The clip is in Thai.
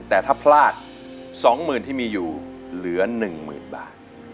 แต่ถ้าพลาดสองหมื่นที่มีอยู่เหลือหนึ่งหมื่นบาท